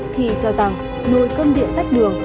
khi cho rằng nuôi cơm điện tách đường